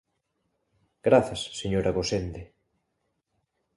Grazas, señora Gosende.